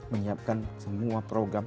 menyiapkan semua program